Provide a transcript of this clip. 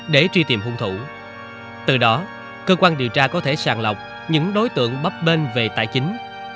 để truy tìm hung thủ từ đó cơ quan điều tra có thể sàng lọc những đối tượng bắp bên về tài chính